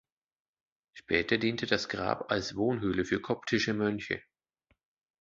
Später diente das Grab als Wohnhöhle für koptische Mönche.